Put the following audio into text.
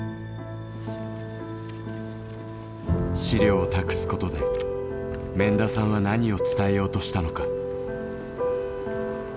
資料を託すことで免田さんは何を伝えようとしたのか。